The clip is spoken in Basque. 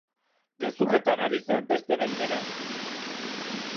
Gezurretan ari zen beste behin ere.